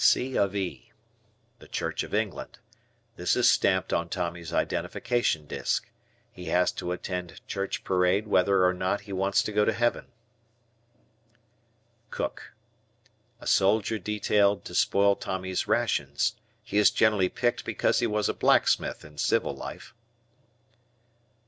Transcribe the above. C. of E. Church of England. This is stamped on Tommy's identification disk. He has to attend church parade whether or not he wants to go to Heaven. Cook. A soldier detailed to spoil Tommy's rations. He is generally picked because he was a blacksmith in civil life.